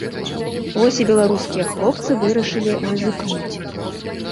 Вось і беларускія хлопцы вырашылі рызыкнуць.